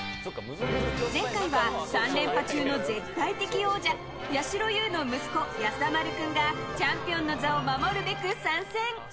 前回は、３連覇中の絶対的王者やしろ優の息子、やさまる君がチャンピオンの座を守るべく参戦。